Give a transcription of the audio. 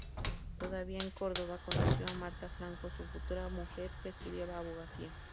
Todavía en Córdoba, conoció a Marta Franco, su futura mujer que estudiaba abogacía.